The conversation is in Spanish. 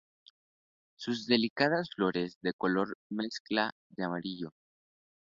Sus delicadas flores de color mezcla de amarillo.